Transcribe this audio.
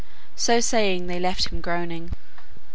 So saying, they left him groaning.